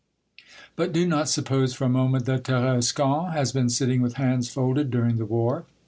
But do not suppose for a moment that Tarascon has been sitting with hands folded during the war.